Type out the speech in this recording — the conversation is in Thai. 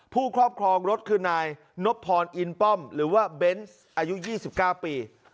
ครอบครองรถคือนายนบพรอินป้อมหรือว่าเบนส์อายุ๒๙ปี